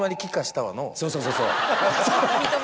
そうそうそうそう。